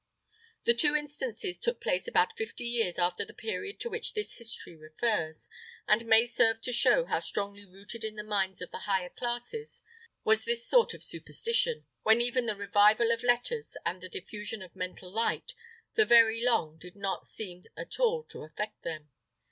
These two instances took place about fifty years after the period to which this history refers, and may serve to show how strongly rooted in the minds of the higher classes was this sort of superstition, when even the revival of letters, and the diffusion of mental light, for very long did not seem at all to affect them.